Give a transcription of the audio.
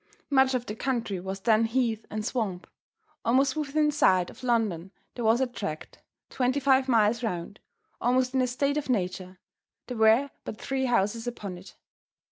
Much of the country was then heath and swamp. Almost within sight of London there was a tract, twenty five miles round, almost in a state of nature; there were but three houses upon it.